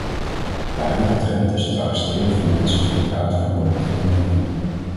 De huidige trend is het arresteren van mensen voor het uiten van politieke meningen.